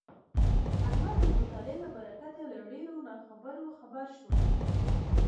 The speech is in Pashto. احمد د مطالعې له برکته له ډېرو ناخبرو خبر شولو.